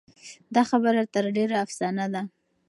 دا خبره تر ډېره افسانه ده.